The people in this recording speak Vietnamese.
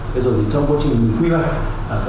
thế rồi thì trong quá trình mình quy hoạch